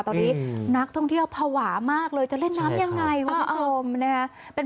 ตอนนี้นักท่องเที่ยวภาวะมากเลยจะเล่นน้ำยังไงคุณผู้ชมนะฮะ